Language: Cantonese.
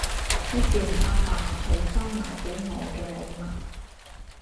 一件阿爸隨心買畀我嘅禮物